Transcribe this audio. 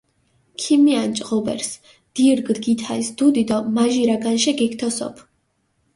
ქიმიანჭჷ ღობერს, დირგჷ გითალს დუდი დო მაჟირა განშე გეგთოსოფჷ.